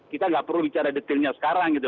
kita nggak perlu bicara detailnya sekarang gitu